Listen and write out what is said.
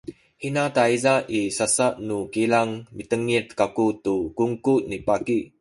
hina tayza i sasa nu kilang mitengil kaku tu kungku ni baki